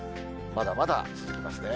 まだまだ続きますね。